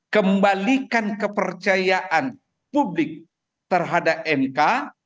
kembalikan kepercayaan publik terhadap mk